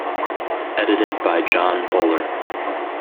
Edited by John Fuller.